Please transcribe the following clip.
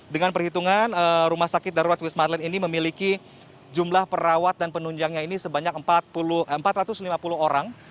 dengan perhitungan rumah sakit darurat wisma atlet ini memiliki jumlah perawat dan penunjangnya ini sebanyak empat ratus lima puluh orang